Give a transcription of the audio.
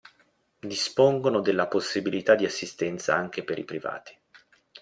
Dispongono della possibilità di assistenza anche per i privati.